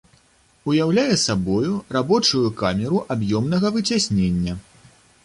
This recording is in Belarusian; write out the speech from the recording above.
Уяўляе сабою рабочую камеру аб'ёмнага выцяснення.